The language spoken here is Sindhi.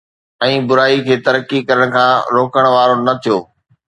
۽ برائي کي ترقي ڪرڻ کان روڪڻ وارو نه ٿيو